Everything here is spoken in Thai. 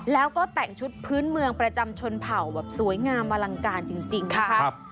แล้วก็แต่งชุดพื้นเมืองประจำชนเผ่าแบบสวยงามอลังการจริงนะคะ